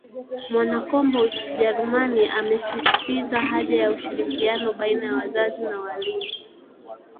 Mwanakombo Jarumani amesisitiza haja ya ushirikiano baina ya wazazi na walimu